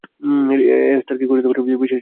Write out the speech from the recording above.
Esther কী পারে বিশ্বাসই করতে পারবে না।